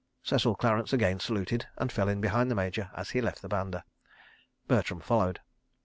..." Cecil Clarence again saluted, and fell in behind the Major as he left the banda. Bertram followed.